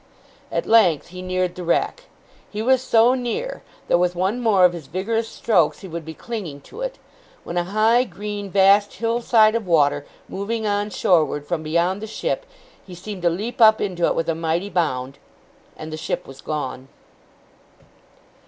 At length he neared the wreck. He was so near, that with one more of his vigorous strokes he would be clinging to it, when a high, green, vast hill side of water, moving on shoreward, from beyond the ship, he seemed to leap up into it with a mighty bound, and the ship was gone!